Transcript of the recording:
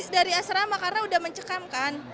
dari asrama karena udah mencekam kan